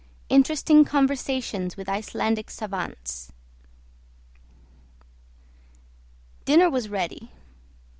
INTERESTING CONVERSATIONS WITH ICELANDIC SAVANTS Dinner was ready.